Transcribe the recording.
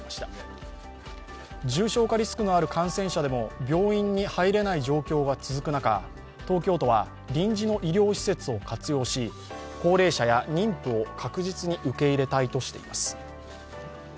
重症化リスクのある感染者でも病院に入れない状況が続く中、東京都は臨時の医療施設を活用し高齢者や妊婦を確実に受け入れたいとしています。